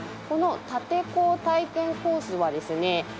この立坑体験コースはですね